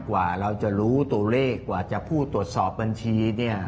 กว่าเราจะรู้ตัวเลขกว่าจะผู้ตรวจสอบบัญชีเนี่ย